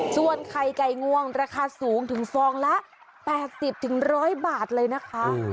ส่วนไข่ไก่งวงราคาสูงถึงฟองละ๘๐๑๐๐บาทเลยนะคะ